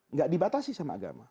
enggak dibatasi sama agama